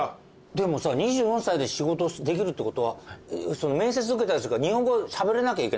でもさ２４歳で仕事できるってことは面接受けたやつとか日本語しゃべれなきゃいけない。